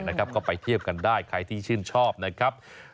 ก็ไปเที่ยวกันได้ใครที่ชื่นชอบนะครับ